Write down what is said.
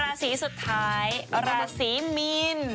ราศีสุดท้ายราศีมีน